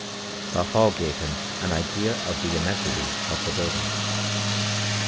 The hall gave him an idea of the immensity of the building.